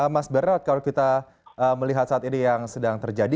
mas bernard kalau kita melihat saat ini yang sedang terjadi